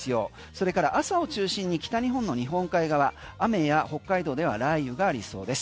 それから朝を中心に北日本の日本海側雨や北海道では雷雨がありそうです。